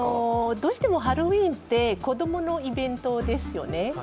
どうしてもハロウィーンって子供のイベントですよね。